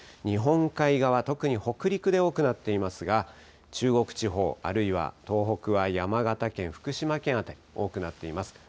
日本海側、特に北陸で多くなっていますが、中国地方、あるいは東北は山形県、福島県辺り、多くなっています。